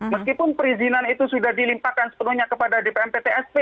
meskipun perizinan itu sudah dilimpahkan sepenuhnya kepada dpm ptsp